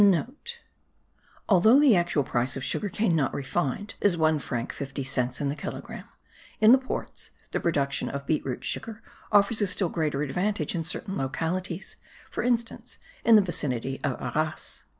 *(* Although the actual price of cane sugar not refined is 1 franc 50 cents the kilogramme, in the ports, the production of beetroot sugar offers a still greater advantage in certain localities, for instance, in the vicinity of Arras.